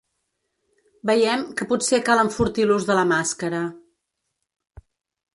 Veiem que potser cal enfortir l’ús de la màscara.